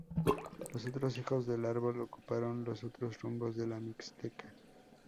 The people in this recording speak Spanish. Los otros hijos del árbol ocuparon los otros rumbos de la Mixteca.